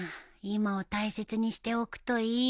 今を大切にしておくといいよ。